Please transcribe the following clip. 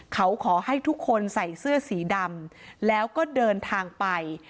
เขาขอให้ทุกคนใส่เสื้อสีดำแล้วก็เดินทางไป